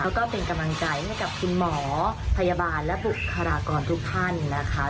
แล้วก็เป็นกำลังใจให้กับคุณหมอพยาบาลและบุคลากรทุกท่านนะคะ